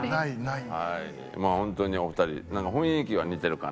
まあ本当にお二人なんか雰囲気は似てるかなと思います。